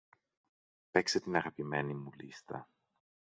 Παίξε την αγαπημένη μου λίστα.